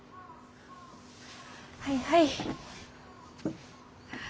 はいはい。